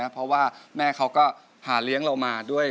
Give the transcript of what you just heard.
เพราะว่าแม่เขาก็หาเลี้ยงเรามาด้วย